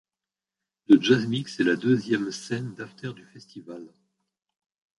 Le JazzMix est la deuxième scène d'after du festival.